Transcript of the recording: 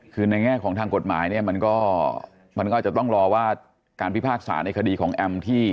คือในแง่ของทางกฎหมายเนี่ยมันก็มันก็อาจจะต้องรอว่าการพิพากษาในคดีของแอมที่